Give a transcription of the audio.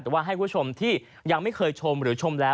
แต่ว่าให้คุณผู้ชมที่ยังไม่เคยชมหรือชมแล้ว